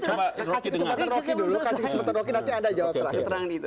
kasih kesempatan roky dulu kasih kesempatan roky nanti ada yang nanya